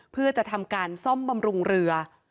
เพื่อจะทำการซ่อมบำรุงเรือ